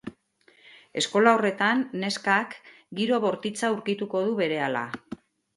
Eskola horretan, neskak giro bortitza aurkituko du berehala.